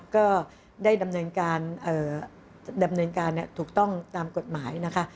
ก็ได้ดำเนินการถูกต้องตามกฎหมายนะคะ